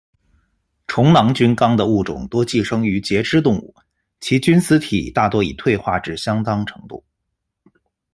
虫囊菌纲的物种多寄生于节肢动物，其菌丝体大多已退化至相当程度。